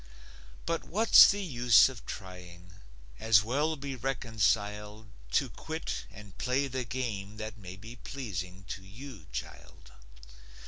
But what's the use of trying? As well be reconciled To quit and play the game that may Be pleasing to you, child.